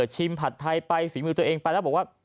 ผัดไทยไปฝีมือตัวเองไปแล้วบอกว่า